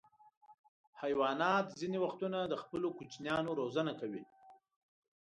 حیوانات ځینې وختونه د خپلو کوچنیانو روزنه کوي.